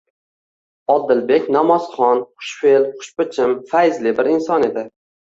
Odilbek namozxon, xushfe'l, xushbichim, fayzli bir inon edi.